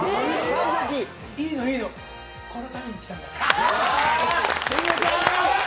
いいの、いいのこのために来たんだから。